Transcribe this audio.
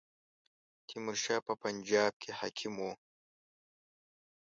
تیمور شاه په پنجاب کې حاکم وو.